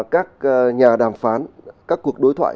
các nhà đàm phán các cuộc đối thoại